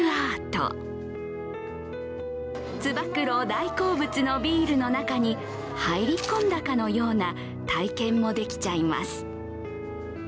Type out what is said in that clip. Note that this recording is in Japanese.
大好物のビールの中に入り込んだかのような体験もできちゃいます。